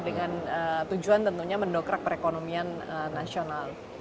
dengan tujuan tentunya mendokrak perekonomian nasional